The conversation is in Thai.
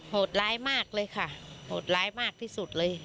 โหดร้ายมากเลยค่ะโหดร้ายมากที่สุดเลย